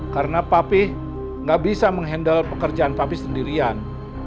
karena papi nggak bisa mengendal pekerjaan papi sendirian